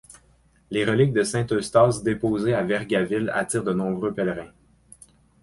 Les reliques de saint Eustase déposées à Vergaville attirent de nombreux pèlerins.